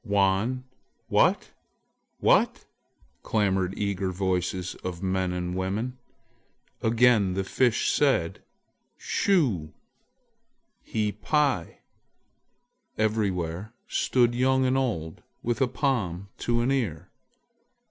"Wan! what? what?" clamored eager voices of men and women. Again the Fish said: "Shu... hi pi!" Everywhere stood young and old with a palm to an ear.